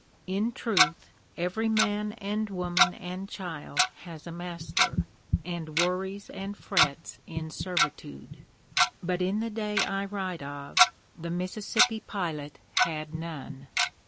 In truth, every man and woman and child has a master, and worries and frets in servitude; but in the day I write of, the Mississippi pilot had none."